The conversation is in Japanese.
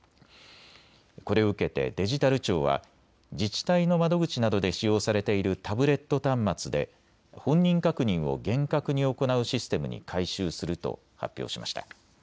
これを受けてデジタル庁は自治体の窓口などで使用されているタブレット端末で本人確認を厳格に行うシステムに改修すると発表しました。